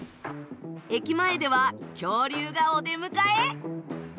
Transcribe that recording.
駅前では恐竜がお出迎え。